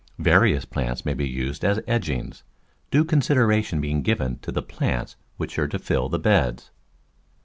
Various plants may be used as edgings, due consideration being given to the plants which are to fill the beds.